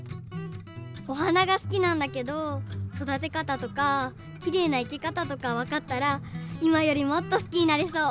おはながすきなんだけどそだてかたとかきれいないけかたとかわかったらいまよりもっとすきになりそう！